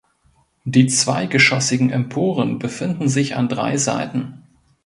Die zweigeschossigen Emporen befinden sich an drei Seiten.